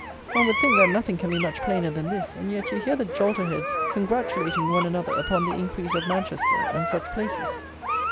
One would think that nothing can be much plainer than this; and yet you hear the jolterheads congratulating one another upon the increase of Manchester, and such places!